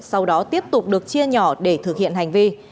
sau đó tiếp tục được chia nhỏ để thực hiện hành vi